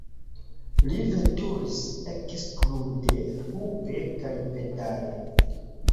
Li veturis eksklude hupe kaj pedale.